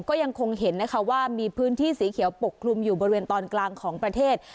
ก็ยังคงเห็นนะคะว่ามีพื้นที่สีเขียวปกคลุมอยู่บริเวณตอนกลางของประเทศ